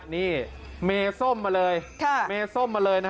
นี่เมส้มมาเลย